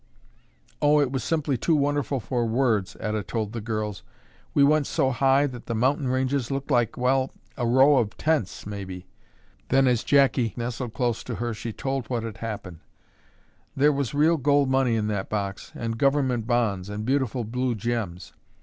"Oh, it was simply too wonderful for words," Etta told the girls. "We went so high that the mountain ranges looked like, well, a row of tents, maybe." Then, as Jackie nestled close to her, she told what had happened. "There was real gold money in that box and Government bonds and beautiful blue gems.